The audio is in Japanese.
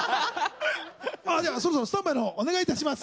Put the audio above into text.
じゃあそろそろスタンバイのほうお願いいたします。